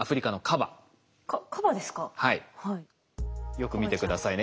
よく見て下さいね。